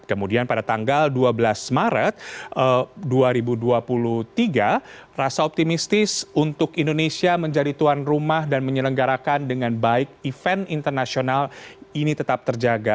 kemudian pada tanggal dua belas maret dua ribu dua puluh tiga rasa optimistis untuk indonesia menjadi tuan rumah dan menyelenggarakan dengan baik event internasional ini tetap terjaga